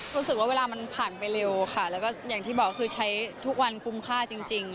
รู้สึกว่าเวลามันผ่านไปเร็วค่ะแล้วก็อย่างที่บอกคือใช้ทุกวันคุ้มค่าจริง